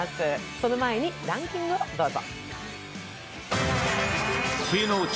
その前にランキングをどうぞ。